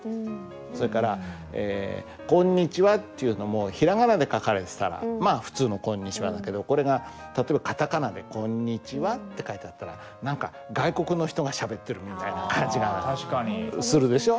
それからえ「こんにちは」っていうのもひらがなで書かれてたらまあ普通の「こんにちは」だけどこれが例えばカタカナで「コンニチハ」って書いてあったら何か外国の人がしゃべってるみたいな感じがするでしょう？